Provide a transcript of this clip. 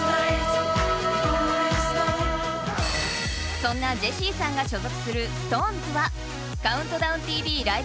そんなジェシーさんが所属するＳｉｘＴＯＮＥＳは「ＣＤＴＶライブ！